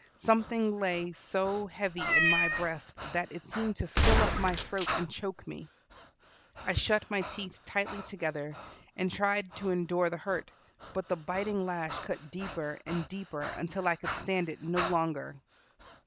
Something lay so heavy in my breast that it seemed to fill up my throat and choke me. I shut my teeth tightly together, and tried to endure the hurt, but the biting lash cut deeper and deeper until I could stand it no longer.